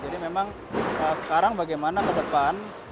jadi memang sekarang bagaimana ke depan